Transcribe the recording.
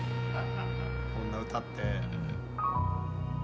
こんな歌って。